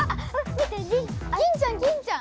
見て銀ちゃん銀ちゃん！